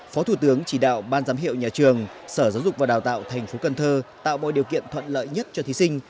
phó thủ tướng chỉ đạo ban giám hiệu nhà trường sở giáo dục và đào tạo thành phố cần thơ tạo mọi điều kiện thuận lợi nhất cho thí sinh